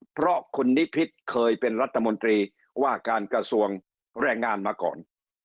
เพราะคุณนิพิษเคยเป็นรัฐมนตรีว่าการกระทรวงแรงงานมาก่อน